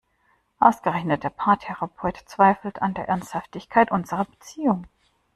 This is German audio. Ausgerechnet der Paartherapeut zweifelt an der Ernsthaftigkeit unserer Beziehung!